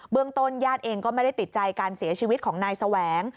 ต้นญาติเองก็ไม่ได้ติดใจการเสียชีวิตของนายแสวง